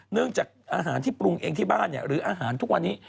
เนื่องจากอาหารที่ปรุงเองที่บ้านหรืออาหารทุกวันนี้